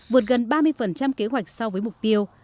vượt gần ba mươi kế hoạch so với mục tiêu